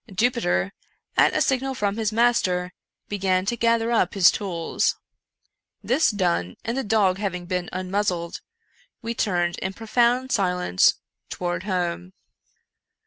Jupiter, at a signal from his master, began to gather up his tools. This done, and the dog having been unmuzzled, we turned in profound silence toward home.